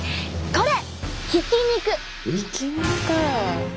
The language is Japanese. これ。